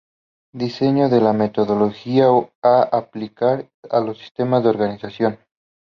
Diseño de la metodología a aplicar y los sistemas de organización.